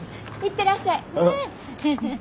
行ってらっしゃい。